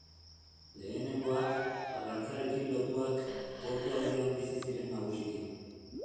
Lehenengoak, arrantzarekin lotuak, portu aldean bizi ziren nagusiki.